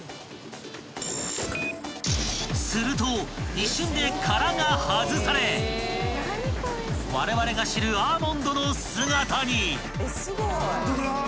［すると一瞬で殻が外されわれわれが知るアーモンドの姿に］